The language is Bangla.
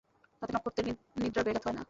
তাতে নক্ষত্রের নিদ্রার ব্যাঘাত হয় না।